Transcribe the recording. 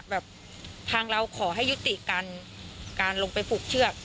แบบทางเราขอให้ยุติการการลงไปปลูกเชือก